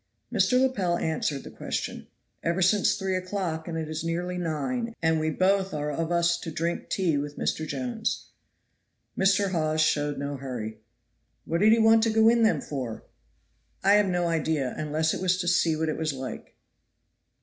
Mr. Lepel answered the question. "Ever since three o'clock, and it is nearly nine; and we are both of us to drink tea with Mr. Jones." Mr. Hawes showed no hurry. "What did he want to go in them for?" "I have no idea, unless it was to see what it is like."